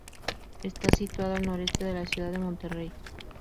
Está situado al noreste de la ciudad de Monterrey.